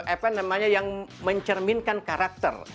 apa namanya yang mencerminkan karakter